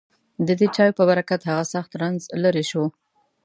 ددې چایو په برکت هغه سخت رنځ لېرې شو.